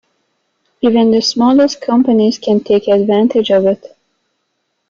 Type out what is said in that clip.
Even the smallest companies can take advantage of it.